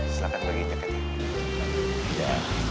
silahkan bagi ceketnya